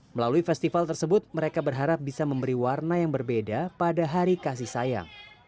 melalui festival tersebut mereka berharap bisa memberi warna yang berbeda pada hari kasih sayang